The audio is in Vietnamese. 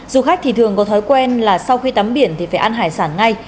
du khách thì thường có thói quen là sau khi tắm biển thì phải ăn hải sản ngay